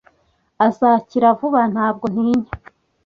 "Azakira vuba?" "Ntabwo ntinya."